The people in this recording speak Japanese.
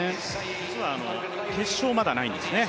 実は決勝はまだないんですね。